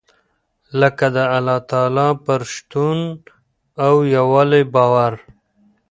لکه د الله تعالٰی پر شتون او يووالي باور .